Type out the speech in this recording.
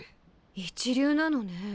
一流なのね。